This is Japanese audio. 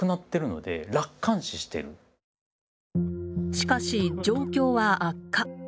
しかし状況は悪化。